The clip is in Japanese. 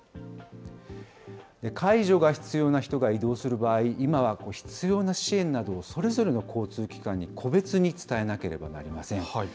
介助が必要な人が移動する場合、今は必要な支援などをそれぞれの交通機関に個別に伝えなければなりません。